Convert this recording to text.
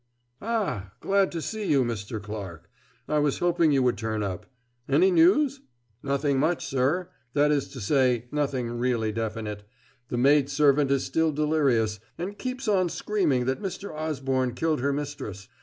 Ah! Glad to see you, Mr. Clarke. I was hoping you would turn up. Any news?" "Nothing much, sir that is to say, nothing really definite. The maid servant is still delirious, and keeps on screaming out that Mr. Osborne killed her mistress.